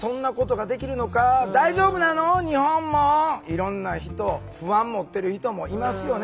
いろんな人不安持ってる人もいますよね？